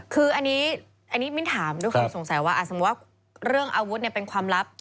คืออันนี้อันนี้มินถามดูค่ะสงสัยว่าอาจสมมุติว่าเรื่องอาวุธเนี่ยเป็นความลับ